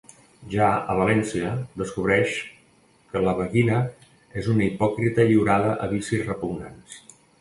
Ja a València, descobreix que la beguina és una hipòcrita lliurada a vicis repugnants.